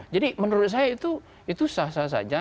jadi menurut saya itu sah sah saja